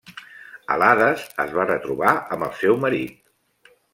A l'Hades es va retrobar amb el seu marit.